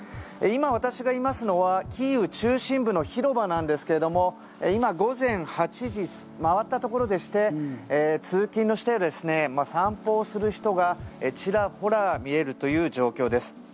今、私がいますのはキーウ中心部の広場なんですけども今、午前８時を回ったところでして通勤の人や、散歩をする人がちらほら見えるという状況です。